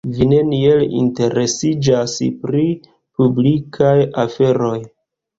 Vi neniel interesiĝas pri publikaj aferoj.